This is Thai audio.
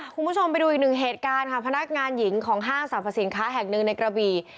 คุณผู้ชมไปดูอีกหนึ่งเหตุการณ์ค่ะพนักงานหญิงของห้างสรรพสินค้าแห่งหนึ่งในกระบี่